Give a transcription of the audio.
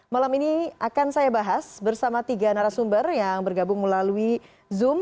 malam ini akan saya bahas bersama tiga narasumber yang bergabung melalui zoom